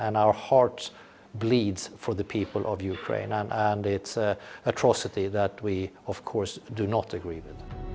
dan ini adalah atroksi yang kita tidak setuju